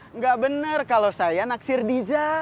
enggak bener kalau saya naksir dija